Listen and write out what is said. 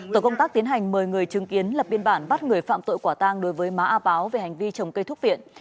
tổ công tác tiến hành mời người chứng kiến lập biên bản bắt người phạm tội quả tang đối với má a páo về hành vi trồng cây thúc viện